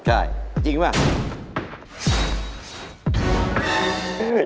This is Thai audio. ใช่จริงหรือไม่